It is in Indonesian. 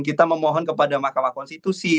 kita memohon kepada mahkamah konstitusi